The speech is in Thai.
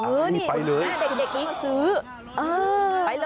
อื้อนี่ได้เด็กนิดนึงเขาซื้อ